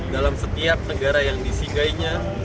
dalam setiap negara yang disinggahinya